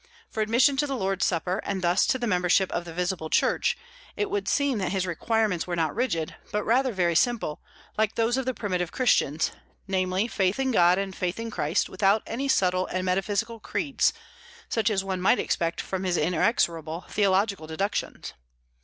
For admission to the Lord's Supper, and thus to the membership of the visible Church, it would seem that his requirements were not rigid, but rather very simple, like those of the primitive Christians, namely, faith in God and faith in Christ, without any subtile and metaphysical creeds, such as one might expect from his inexorable theological deductions.